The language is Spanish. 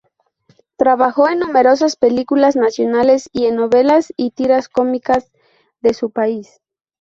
Trabajó en numerosas películas nacionales y en novelas y tiras cómicas de su país.